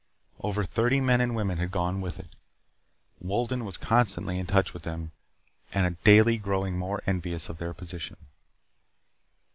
Over thirty men and women had gone with it. Wolden was constantly in touch with them and daily growing more envious of their position.